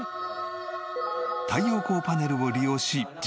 太陽光パネルを利用し自家発電。